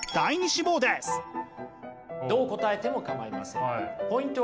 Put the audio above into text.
どう答えても構いません。